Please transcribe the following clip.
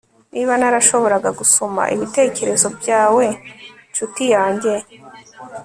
Niba narashobora gusoma ibitekerezo byawe nshuti yanjye